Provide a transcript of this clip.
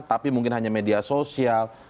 tapi mungkin hanya media sosial